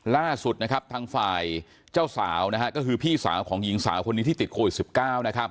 ล่าสุดนะครับทางฝ่ายเจ้าสาวนะฮะก็คือพี่สาวของหญิงสาวคนนี้ที่ติดโควิด๑๙นะครับ